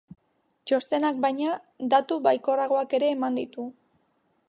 Txostenak, baina, datu baikorragoak ere eman ditu.